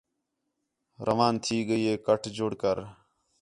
روان تھی ڳئی کٹ جڑ کر